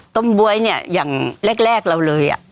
ต้มบ๊วยอย่างแรกเราเลย